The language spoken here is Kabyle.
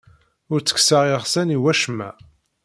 Ur ttekkseɣ iɣsan i wacemma.